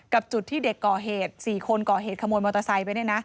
จุดที่เด็กก่อเหตุ๔คนก่อเหตุขโมยมอเตอร์ไซค์ไปเนี่ยนะ